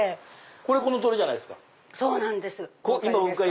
これこの通りじゃないですか。